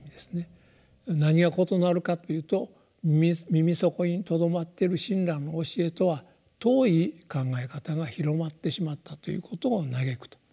何が異なるかっていうと耳底に留まってる親鸞の教えとは遠い考え方が広まってしまったということを歎くと。